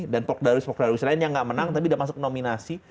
dan pok darwis pok darwis lain yang nggak menang tapi udah masuk nominasi